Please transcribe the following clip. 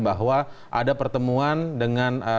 bahwa ada pertemuan dengan